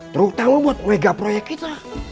terutama buat mega proyek kita